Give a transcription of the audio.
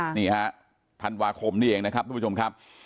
นี่ฮะธันวาคมนี้เองนะครับทุกผู้ชมครับ